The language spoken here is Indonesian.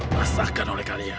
masakan oleh kalian